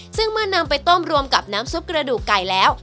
ซึ่งเมื่อนำไปต้มรวมกับน้ำซุปกระดูกไก่แล้ว